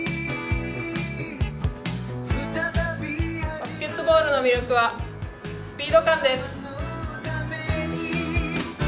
バスケットボールの魅力はスピード感です。